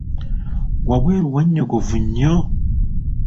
Wabweru wanyogovu nnyo?